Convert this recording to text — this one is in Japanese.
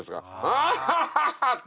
アハハハハ！って。